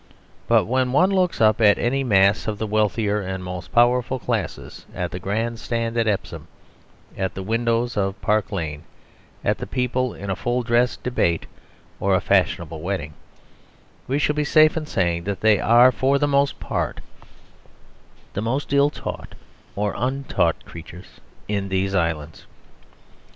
But when one looks up at any mass of the wealthier and more powerful classes, at the Grand Stand at Epsom, at the windows of Park lane, at the people at a full dress debate or a fashionable wedding, we shall be safe in saying that they are, for the most part, the most ill taught, or untaught, creatures in these islands.